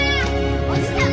おじさん